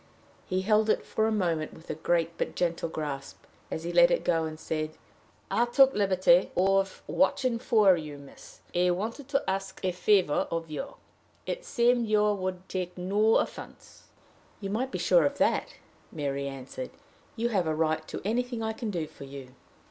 He held it for a moment with a great but gentle grasp, and, as he let it go, said: "I took the liberty of watching for you, miss. I wanted to ask a favor of you. It seemed to me you would take no offense." "You might be sure of that," Mary answered. "You have a right to anything I can do for you."